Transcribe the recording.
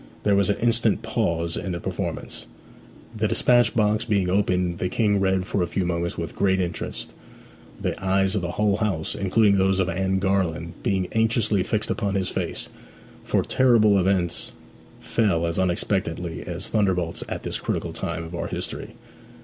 There was an instant pause in the performance. The despatch box being opened the King read for a few moments with great interest, the eyes of the whole house, including those of Anne Garland, being anxiously fixed upon his face; for terrible events fell as unexpectedly as thunderbolts at this critical time of our history.